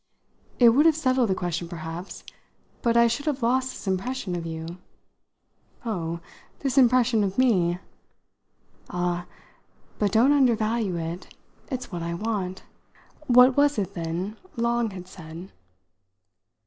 "It would have settled the question perhaps; but I should have lost this impression of you." "Oh, this impression of me!" "Ah, but don't undervalue it: it's what I want! What was it then Long had said?"